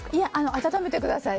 温めてください。